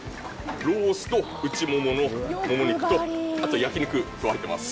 ロースと内もものもも肉と、あと焼き肉入ってます。